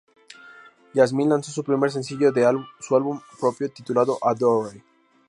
Jasmine lanzó su primer sencillo de un álbum propio, titulado "Adore".